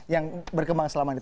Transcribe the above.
yang berkembang selama ini